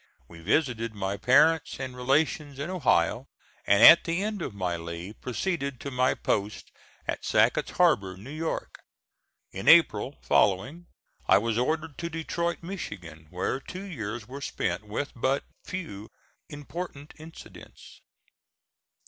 We visited my parents and relations in Ohio, and, at the end of my leave, proceeded to my post at Sackett's Harbor, New York. In April following I was ordered to Detroit, Michigan, where two years were spent with but few important incidents.